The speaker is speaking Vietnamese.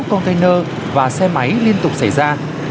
container và xe máy liên tục xảy ra